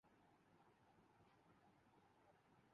وہ اورکہانی ہے۔